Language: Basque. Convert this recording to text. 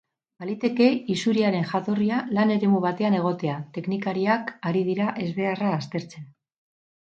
Baliteke isuriaren jatorria lan eremu batean egotea, teknikariak ari dira ezbeharra aztertzen.